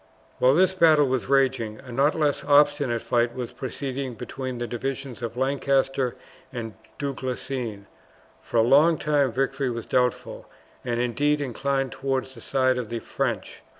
While this battle was raging, a not less obstinate fight was proceeding between the divisions of Lancaster and Du Guesclin. For a long time victory was doubtful, and indeed inclined towards the side of the French.